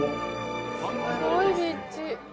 「すごい立地」